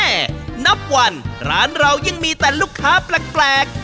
เฮ้เฮตหนับวันร้านเรายังมีแต่ลูกค้าแปลกแปลก